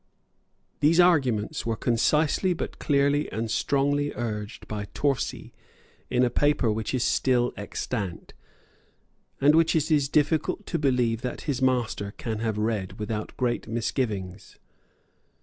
These arguments were concisely but clearly and strongly urged by Torcy in a paper which is still extant, and which it is difficult to believe that his master can have read without great misgivings.